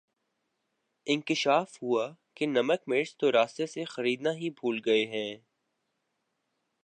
انکشاف ہوا کہ نمک مرچ تو راستے سے خریدنا ہی بھول گئے ہیں